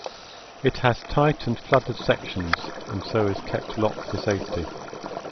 It has tight and flooded sections, and so is kept locked for safety.